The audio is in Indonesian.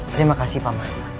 terima kasih paman